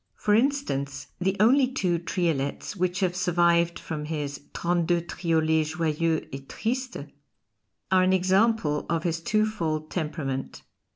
For instance, the only two triolets which have survived from his "Trente deux Triolets joyeux and tristes" are an example of his twofold temperament.